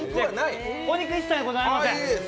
お肉、一切ございません。